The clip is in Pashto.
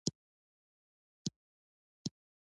کلي د افغانستان د چاپیریال ساتنې لپاره مهم دي.